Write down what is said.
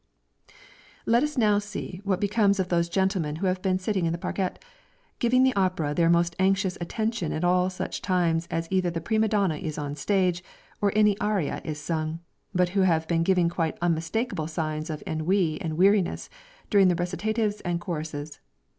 Let us now see what becomes of those gentlemen who have been sitting in the parquette, giving the opera their most anxious attention at all such times as either the prima donna is on the stage, or any aria is sung, but who have been giving quite unmistakeable signs of ennui and weariness during the recitatives and choruses.